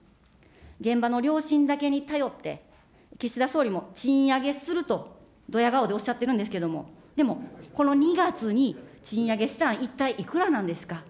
現場の良心だけに頼って、岸田総理も賃上げすると、どや顔でおっしゃってるんですけれども、でも、この２月に賃上げしたんは一体いくらなんですか。